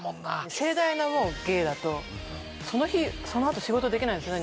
盛大なゲーだとその日そのあと仕事できないんですね。